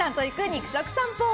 肉食さんぽ。